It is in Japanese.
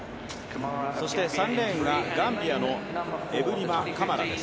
３レーンがガンビアのエブリマ・カマラです。